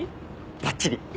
ばっちり。